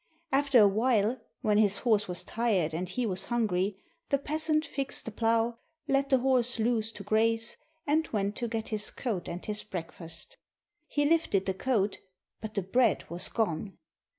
After a while, when his horse was tired and he was hungry, the peasant fixed the plough, let the horse loose to graze, and went to get his coat and his breakfast. He lifted the coat, but the bread was gone